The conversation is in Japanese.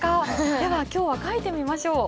では今日は書いてみましょう。